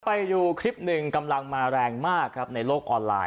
ไปดูคลิปหนึ่งกำลังมาแรงมากครับในโลกออนไลน์